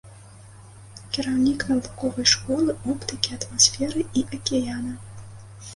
Кіраўнік навуковай школы оптыкі атмасферы і акіяна.